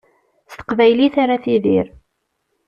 S teqbaylit ara tidir.